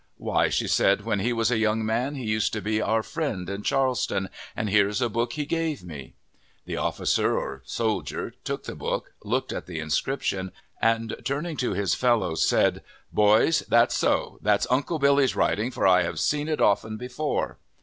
"Why," she said, "when he was a young man he used to be our friend in Charleston, and here is a book he gave me." The officer or soldier took the book, looked at the inscription, and, turning to his fellows, said: "Boys, that's so; that's Uncle Billy's writing, for I have seen it often before."